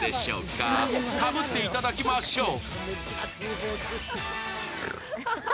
かぶっていただきましょう！